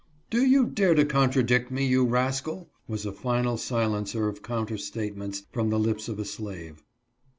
" Do you dare to contradict me, you rascal ?" was a final silencer of counter statements from the lips of a slave.